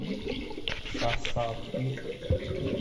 Са-са-бир?!